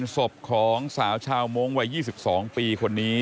เป็นศพของสาวชาวโม้งวัย๒๒ปีคนนี้